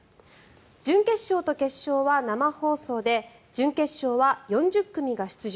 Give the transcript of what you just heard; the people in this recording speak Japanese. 準決勝と決勝は生放送で準決勝は４０組が出場。